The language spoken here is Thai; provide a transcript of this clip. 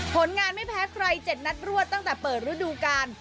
ผลงานไม่แพ้ใคร๗นัดรวดตั้งแต่เปิดฤดูกาล